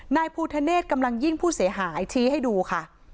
นายภูทะเนธกำลังยิ่งผู้เสียหายชี้ให้ดูค่ะ